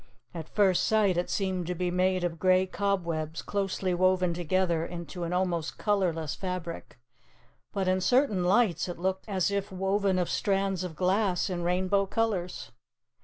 At first sight it seemed to be made of gray cobwebs closely woven together into an almost colorless fabric, but in certain lights it looked as if woven of strands of glass in rainbow colors.